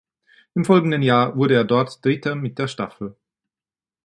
Im folgenden Jahr wurde er dort Dritter mit der Staffel.